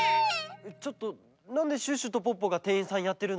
ちょっとなんでシュッシュとポッポがてんいんさんやってるの？